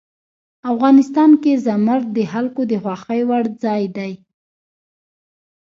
افغانستان کې زمرد د خلکو د خوښې وړ ځای دی.